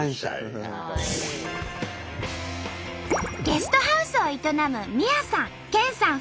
ゲストハウスを営む美亜さん謙さん